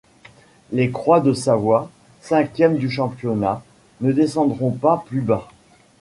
Les Croix-de-Savoie, cinquièmes du championnat, ne descendront pas plus bas.